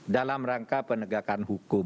dalam rangka penegakan hukum